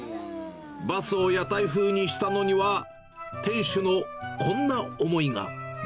バスを屋台風にしたのには、店主のこんな思いが。